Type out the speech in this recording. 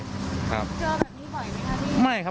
เจอแบบนี้บ่อยไหมครับ